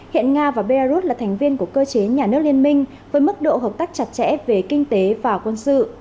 hiện nga và belarus là thành viên của cơ chế nhà nước liên minh với mức độ hợp tác chặt chẽ về kinh tế và quân sự